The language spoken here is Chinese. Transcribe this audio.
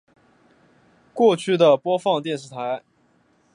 过去的播放电视台